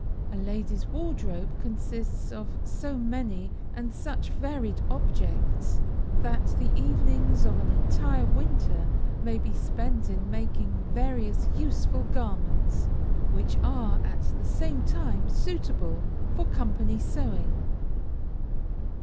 A ladies' wardrobe consists of so many, and such varied objects, that the evenings of an entire winter may be spent in making various useful garments, which are, at the same time, suitable for company sewing.